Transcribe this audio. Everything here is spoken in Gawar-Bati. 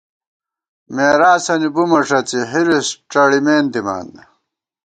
مېراثنی بُمہ ݭڅی ، حِرِص ڄَڑِمېن دِمان